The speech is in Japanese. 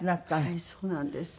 はいそうなんです。